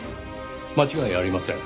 間違いありません。